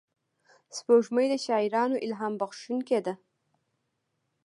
سپوږمۍ د شاعرانو الهام بښونکې ده